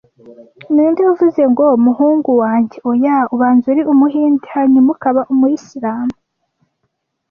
Ninde wavuze ngo "Muhungu wanjye oya, ubanza uri Umuhinde hanyuma ukaba Umuyisilamu"